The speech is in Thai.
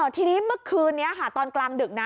ทีนี้เมื่อคืนนี้ค่ะตอนกลางดึกนะ